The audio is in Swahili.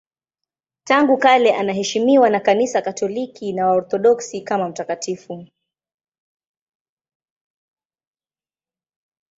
Tangu kale anaheshimiwa na Kanisa Katoliki na Waorthodoksi kama mtakatifu.